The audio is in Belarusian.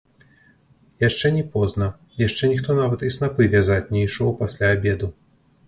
Яшчэ не позна, яшчэ ніхто нават і снапы вязаць не ішоў пасля абеду.